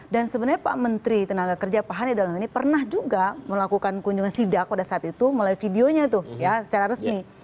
dan sebenarnya pak menteri tenaga kerja pak hanif dalam hal ini pernah juga melakukan kunjungan sidak pada saat itu melalui videonya itu ya secara resmi